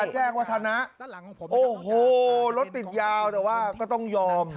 แจ้งวัฒนะโอ้โหรถติดยาวแต่ว่าก็ต้องยอม